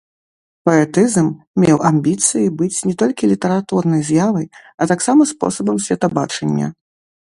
Паэтызм меў амбіцыі быць не толькі літаратурнай з'явай, а таксама спосабам светабачання.